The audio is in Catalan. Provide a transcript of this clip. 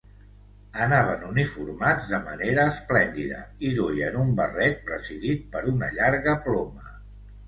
Anaven uniformats de manera esplèndida i duien un barret presidit per una llarga ploma.